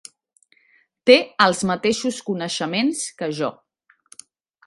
Té els mateixos coneixements que jo.